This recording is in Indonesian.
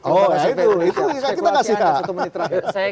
oh itu kita kasihkan satu menit terakhir